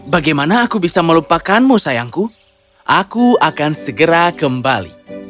bagaimana aku bisa melupakanmu sayangku aku akan segera kembali